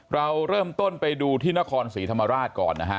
เราเริ่มต้นไปดูที่นครศรีธรรมราชก่อนนะฮะ